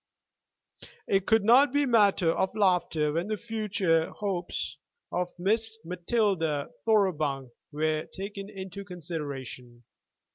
It could not be matter of laughter when the future hopes of Miss Matilda Thoroughbung were taken into consideration.